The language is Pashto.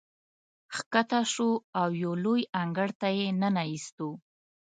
ښکته شوو او یو لوی انګړ ته یې ننه ایستو.